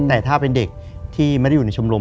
แต่ถ้าเป็นเด็กที่ไม่ได้อยู่ในชมรม